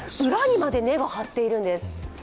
裏にまで根が張っているんです。